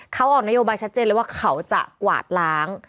เขาออกนโยบายชัดเจนเลยว่าเขาจะกวาดล้าง